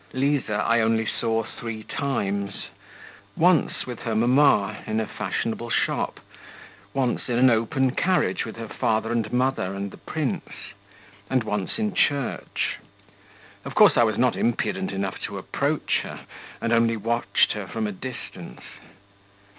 Liza I only saw three times: once, with her mamma, in a fashionable shop; once, in an open carriage with her father and mother and the prince; and once, in church. Of course, I was not impudent enough to approach her, and only watched her from a distance.